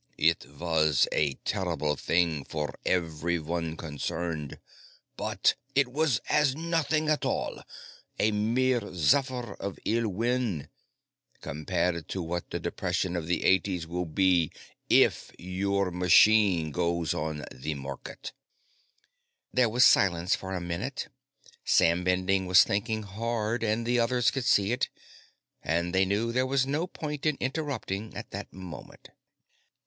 It was a terrible thing for everyone concerned. But it was as nothing at all a mere zephyr of ill wind compared to what the Depression of the Eighties will be if your machine goes on the market." There was silence for a minute. Sam Bending was thinking hard, and the others could see it and they knew there was no point in interrupting at that moment.